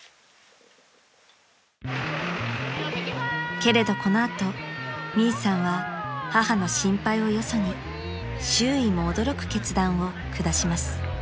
［けれどこの後ミイさんは母の心配をよそに周囲も驚く決断を下します］